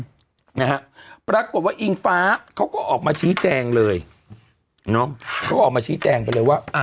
นะฮะปรากฏว่าอิงฟ้าเขาก็ออกมาชี้แจงเลยเนาะเขาก็ออกมาชี้แจงไปเลยว่า